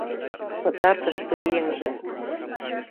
Пытартыш пӧръеҥже...